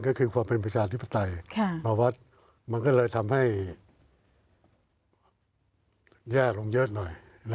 ก็คือความเป็นประชาธิปไตยมาวัดมันก็เลยทำให้แย่ลงเยอะหน่อย